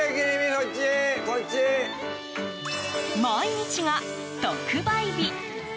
毎日が特売日。